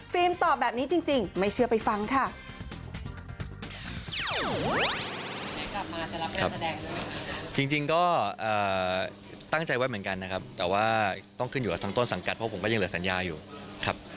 ตอบแบบนี้จริงไม่เชื่อไปฟังค่ะ